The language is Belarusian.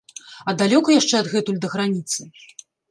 А далёка яшчэ адгэтуль да граніцы?